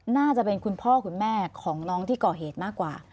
น่าจะเป็นคุณพ่อคุณแม่ของน้องที่ก่อเหตุมากกว่า